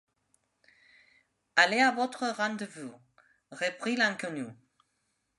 Allez à votre rendez-vous, reprit l’inconnu.